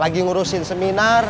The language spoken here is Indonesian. lagi ngurusin seminar